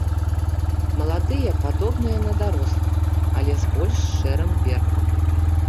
Маладыя падобныя на дарослых, але з больш шэрым верхам.